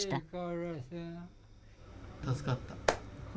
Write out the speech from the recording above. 助かった。